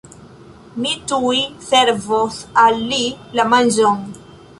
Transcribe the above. Mi tuj servos al li la manĝon.